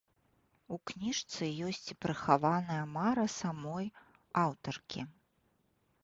У кніжцы ёсць і прыхаваная мара самой аўтаркі.